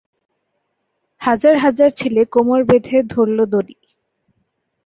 হাজার হাজার ছেলে কোমর বেঁধে ধরল দড়ি।